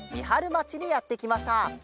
まちにやってきました。